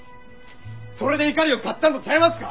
それで怒りを買ったんとちゃいますか？